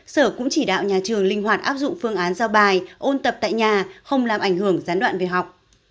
sở cũng chỉ đạo nhà trường linh hoạt áp dụng phương án giao bài ôn tập tại nhà không làm ảnh hưởng gián đoạn việc học